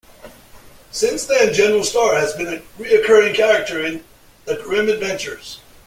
Since then General Skarr has been a recurring character in the "Grim Adventures".